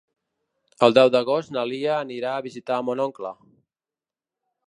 El deu d'agost na Lia anirà a visitar mon oncle.